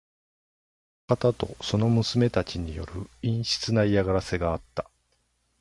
北の方とその娘たちによる陰湿な嫌がらせがあった。